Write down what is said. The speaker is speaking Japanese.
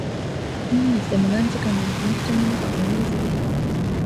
何日でも、何時間でも、この布団の中で眠り続けたい。